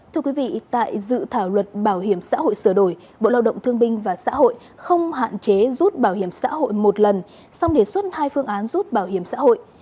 thưa quý vị tại dự thảo luật bảo hiểm xã hội sửa đổi bộ lao động thương binh và xã hội không hạn chế rút bảo hiểm xã hội một lần xong đề xuất hai phương án rút bảo hiểm xã hội